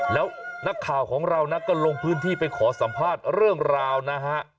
แล้วนะคะวของเรานั่นก็ลงพื้นที่ไปขอสัมภาษณ์เรื่องราวนะครับ